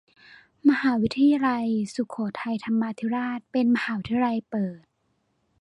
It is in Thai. มหาวิทยาลัยสุโขทัยธรรมาธิราชเป็นมหาวิทยาลัยเปิด